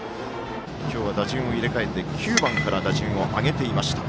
今日は打順を入れ替えて９番から打順を上げていました。